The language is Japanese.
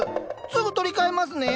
すぐ取り替えますね。